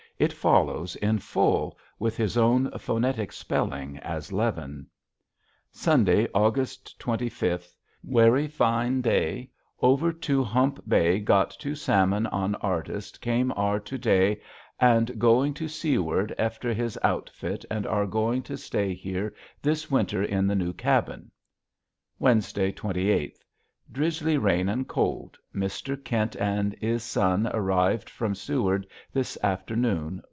It follows in full with his own phonetic spelling as leaven. Sunday, Aug. 25th Wary fin Day. over tu Hump Bay got 2 salmon an artist cam ar to Day and going to seward efter his outfit and ar going to sta Hear this Winter in the new Cabbin. Wed. 28th. Drisly rain and cold. Mr. Kint and is son arivd from seward this afternoon.